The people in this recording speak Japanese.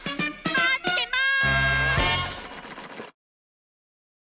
待ってます！